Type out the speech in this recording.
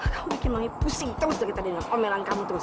kamu bikin mami pusing terus dari tadi dengan omelan kamu terus